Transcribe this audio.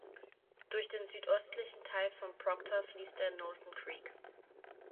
Durch den südöstlichen Teil von Proctor fließt der Knowlton Creek.